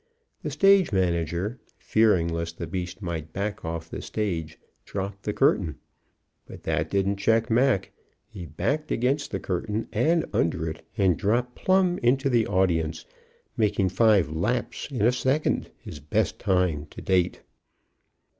The stage manager, fearing lest the beast might back off the stage, dropped the curtain. But that didn't check Mac; he backed against the curtain and under it, and dropped plumb into the audience, making five "laps" in a second, his best time to date.